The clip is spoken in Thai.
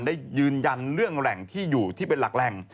ได้ยืนยันเรื่องแหล่งที่อยู่ที่เป็นหลักแหล่ง